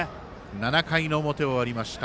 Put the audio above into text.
７回の表終わりました。